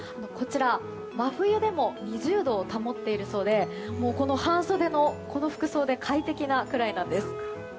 こちら、真冬でも２０度を保っているそうで半袖のこの服装で快適なくらいなんです。